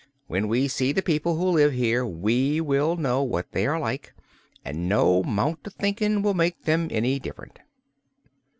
When we see the people who live here we will know what they are like, and no 'mount of thinking will make them any different."